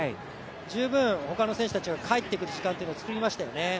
十分、他の選手が帰ってくる時間を作りましたよね。